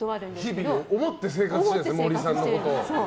日々思って生活してるんですね森さんのことを。